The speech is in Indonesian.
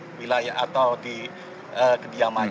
apabila meninggalkan rumah ataupun tinggalkan rumah itu bisa diharapkan